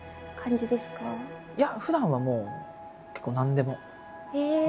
いやふだんはもう結構何でも。